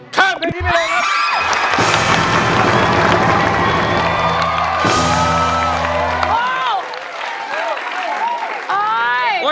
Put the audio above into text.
ข้ามไปที่ไม่ลงครับ